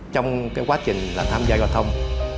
trong cái quá trình là tham gia giao thông